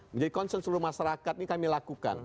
menjadi concern seluruh masyarakat ini kami lakukan